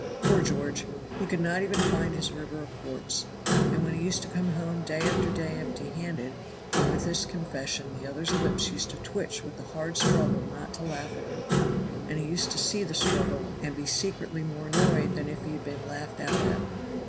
Poor George! he could not even find his river of quartz. And when he used to come home day after day empty handed and with this confession, the other's lips used to twitch with the hard struggle not to laugh at him; and he used to see the struggle and be secretly more annoyed than if he had been laughed out at.